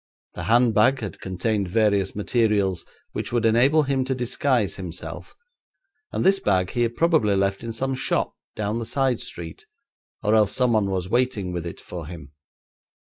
The handbag had contained various materials which would enable him to disguise himself, and this bag he had probably left in some shop down the side street, or else someone was waiting with it for him.